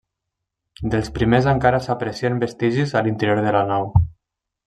Dels primers encara s'aprecien vestigis a l'interior de la nau.